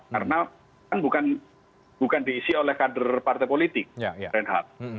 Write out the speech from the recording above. karena kan bukan diisi oleh kader partai politik renhard